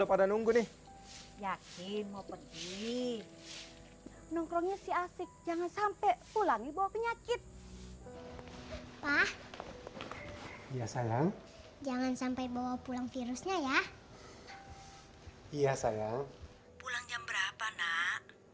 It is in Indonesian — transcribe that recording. pulang jam berapa nak